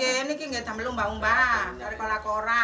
ini untuk dimasak untuk lembah lembah untuk berkola kola